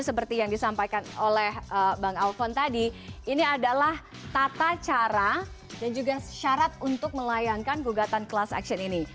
seperti yang disampaikan oleh bang alphon tadi ini adalah tata cara dan juga syarat untuk melayangkan gugatan class action ini